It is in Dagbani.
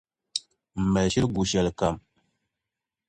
M mali shili gu shɛlikam.